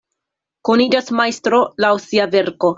Koniĝas majstro laŭ sia verko.